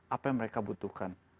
apa yang mereka butuhkan